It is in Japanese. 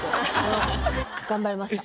頑張りました。